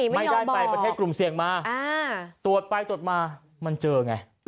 ไม่ได้ไปประเทศกลุ่มเสี่ยงมาตรวจไปตรวจมามันเจอไง